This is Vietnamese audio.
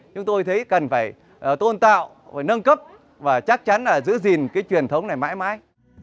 chúng tôi thấy cần phải tôn tạo nâng cấp và chắc chắn là giữ gìn cái truyền thống này mãi mãi